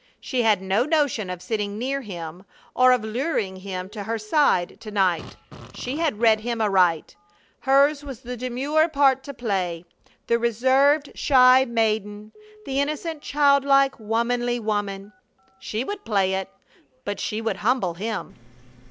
She had no notion of sitting near him or of luring him to her side to night. She had read him aright. Hers was the demure part to play, the reserved, shy maiden, the innocent, child like, womanly woman. She would play it, but she would humble him!